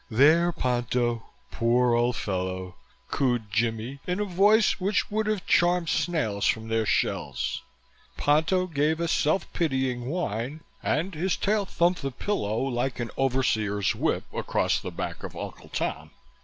"There! Ponto! Poor old fellow!" cooed Jimmie in a voice which would have charmed snails from their shells. Ponto gave a self pitying whine and his tail thumped the pillow like an overseer's whip across the back of Uncle Tom.